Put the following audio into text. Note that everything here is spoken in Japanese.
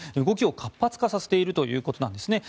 動きを活発化させているということなんです。